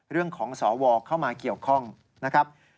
เรื่องของสอวเข้ามาเกี่ยวข้องนะครับ